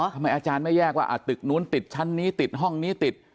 อาจารย์ไม่แยกว่าตึกนู้นติดชั้นนี้ติดห้องนี้ติด